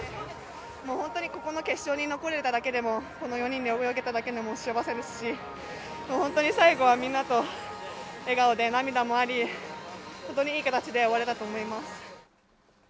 本当にこの決勝に残れただけでもこの４人で泳げただけでも幸せですし、最後はみんなと笑顔で涙もあり、ホントにいい形で終われたと思います。